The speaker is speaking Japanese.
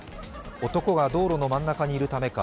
男が道路の真ん中にいるためか